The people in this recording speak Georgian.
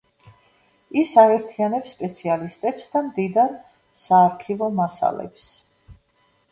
ის აერთიანებს სპეციალისტებს და მდიდარ საარქივო მასალებს.